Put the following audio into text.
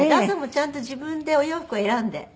朝もちゃんと自分でお洋服を選んで。